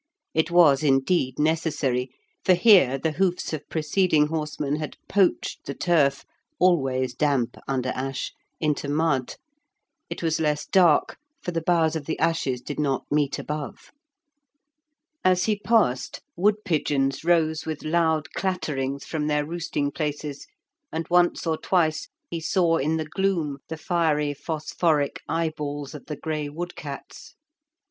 It was, indeed, necessary, for here the hoofs of preceding horsemen had poached the turf (always damp under ash) into mud. It was less dark, for the boughs of the ashes did not meet above. As he passed, wood pigeons rose with loud clatterings from their roosting places, and once or twice he saw in the gloom the fiery phosphoric eye balls of the grey wood cats.